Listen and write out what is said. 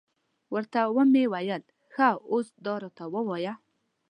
ورته ومې ویل، ښه اوس دا راته ووایه.